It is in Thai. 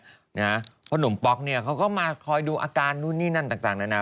เพราะหนุ่มป๊อกเนี่ยเขาก็มาคอยดูอาการนู่นนี่นั่นต่างนานา